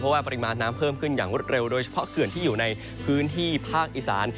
ว่าปริมาณน้ำเพิ่มขึ้นอย่างรวดเร็วโดยเฉพาะเขื่อนที่อยู่ในพื้นที่ภาคอีสาน